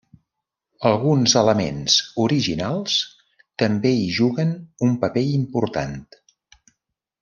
Alguns elements originals també hi juguen un paper important.